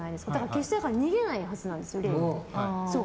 決して逃げないはずなんですよ。